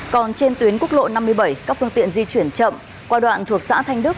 còn trên tuyến quốc lộ năm mươi bảy các phương tiện di chuyển chậm qua đoạn thuộc xã thanh đức